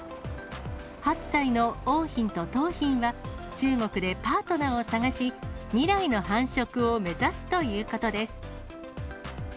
８歳の桜浜と桃浜は、中国でパートナーを探し、未来の繁殖を目指すということです。